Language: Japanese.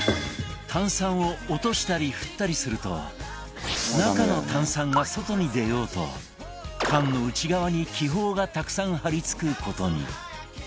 炭酸を落としたり振ったりすると中の炭酸が外に出ようと缶の内側に気泡がたくさん張り付く事に